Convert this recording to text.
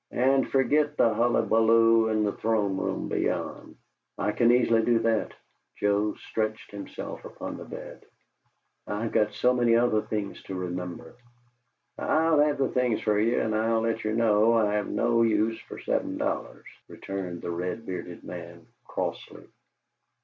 "And fergit the hullabaloo in the throne room beyond." "I can easily do that" Joe stretched himself upon the bed, "I've got so many other things to remember." "I'll have the things fer ye, and I'll let ye know I have no use fer seven dollars," returned the red bearded man, crossly.